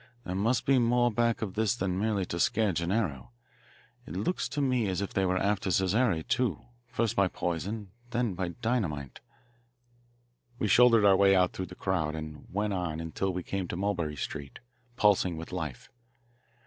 There must be more back of this than merely to scare Gennaro. It looks to me as if they were after Casare, too, first by poison, then by dynamite." We shouldered our way out through the crowd and went on until we came to Mulberry Street, pulsing with life.